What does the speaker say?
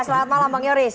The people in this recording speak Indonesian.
selamat malam bang yoris